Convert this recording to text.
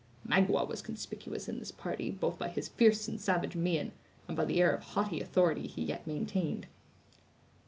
Magua was conspicuous in this party, both by his fierce and savage mien, and by the air of haughty authority he yet maintained.